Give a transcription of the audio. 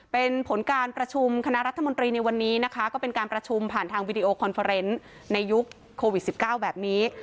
เป็นผลการประชุมคณะรัฐมนตรีในวันนี้นะคะก็เป็นการประชุมผ่านทางวิดีโอคอนเฟอร์เนส์ในยุคโควิด๑๙แบบนี้